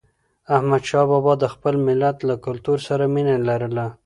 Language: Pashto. احمدشاه بابا د خپل ملت له کلتور سره مینه لرله.